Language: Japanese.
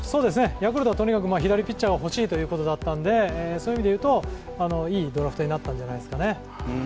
ヤクルトはとにかく左ピッチャーがほしいということだったのでそういう意味でいうと、いいドラフトになったんじゃないですかね。